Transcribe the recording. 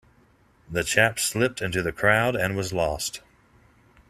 The chap slipped into the crowd and was lost.